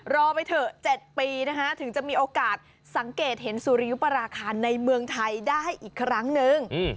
รอไปเถอะ๗ปีนะคะถึงจะมีโอกาสสังเกตเห็นสุริยุปราคาในเมืองไทยได้อีกครั้งนึง